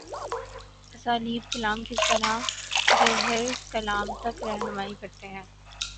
اسالیب کلام کس طرح جوہرکلام تک راہنمائی کرتے ہیں؟